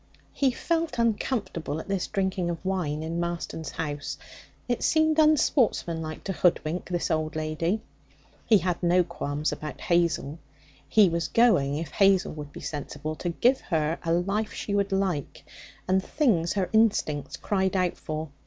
He felt uncomfortable at this drinking of wine in Marston's house. It seemed unsportsmanlike to hoodwink this old lady. He had no qualms about Hazel. He was going, if Hazel would be sensible, to give her a life she would like, and things her instincts cried out for.